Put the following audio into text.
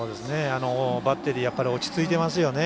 バッテリー落ち着いていますよね。